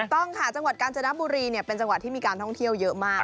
ต้องค่ะจังหวัดกาญจนบุรีเป็นจังหวัดที่มีการท่องเที่ยวเยอะมาก